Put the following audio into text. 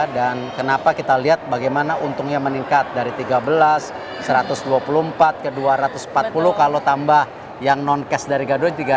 dan kenapa kita lihat bagaimana untungnya meningkat dari tiga belas satu ratus dua puluh empat ke dua ratus empat puluh kalau tambah yang non cash dari gado tiga ratus